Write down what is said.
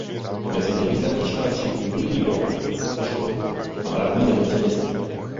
Mezi nejvýznamnější patří Kulturní boj o školu a Mravní nemoci dětství.